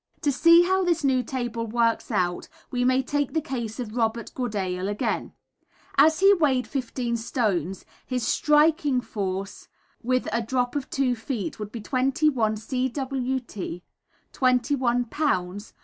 To see how this new table works out we may take the case of Robert Goodale again. As he weighed 15 stones his striking force with a drop of 2 feet would be 21 cwt. 21 lbs.